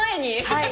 はい。